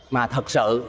mà thật sự